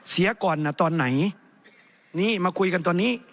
เสียก่อนนะตอนไหนนี่มาคุยกันตอนนี้